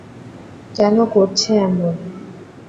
কেন করছে এমন?